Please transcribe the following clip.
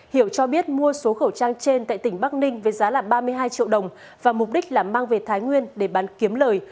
hiểu cho biết mua số khẩu trang trên tại tỉnh bắc ninh với giá là ba mươi hai triệu đồng và mục đích là mang về thái nguyên để bán kiếm lời